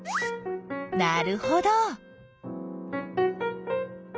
なるほど。